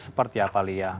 seperti apa lia